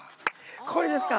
これですか？